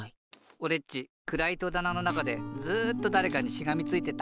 おれっちくらいとだなのなかでずっとだれかにしがみついてた。